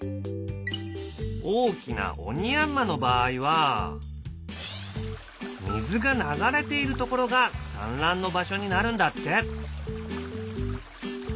大きなオニヤンマの場合は水が流れているところが産卵の場所になるんだって。